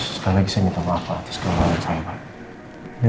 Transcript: sekali lagi saya minta maaf atas kelelian saya pak